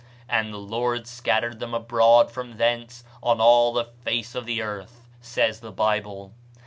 "And the Lord scattered them abroad from thence on all the face of the earth," says the Bible.